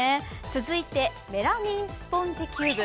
続いてメラミンスポンジキューブ。